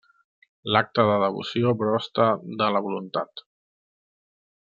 L'acte de devoció brosta de la voluntat.